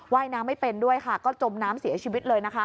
ไว้น้ำไม่เป็นด้วยจมน้ำเสียชีวิตเลย